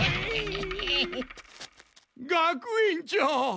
学園長！